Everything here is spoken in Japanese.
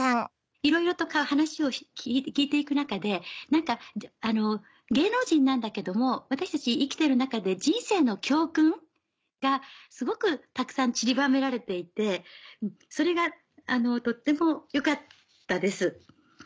いろいろと話を聞いて行く中で何か芸能人なんだけども私たち生きている中で人生の教訓がすごくたくさん散りばめられていてそれがとてもよかったです。